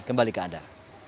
kembali ke anda